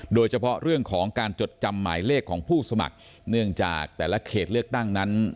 โดยเฉพาะเรื่องของการจดจำหมายเลขของผู้สมัครเนื่องจากแต่ละเขตเลือกตั้งนั้น